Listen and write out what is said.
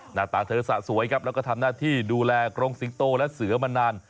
หน้าตาเธอสะสวยครับแล้วก็ทำหน้าที่ดูแลกรงสิงโตและเสือมานาน